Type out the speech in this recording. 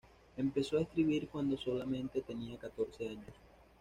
Empezó a escribir cuando solamente tenía catorce años.